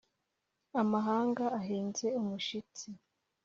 amahanga ahinze umushitsi